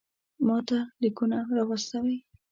ماته لیکونه را واستوئ.